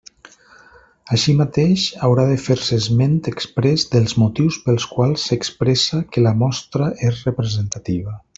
Així mateix, haurà de fer-se esment exprés dels motius pels quals s'expressa que la mostra és representativa.